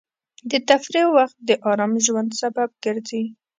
د تفریح وخت د ارام ژوند سبب ګرځي.